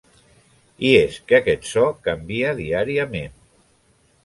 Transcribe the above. I és que aquest so canvia diàriament.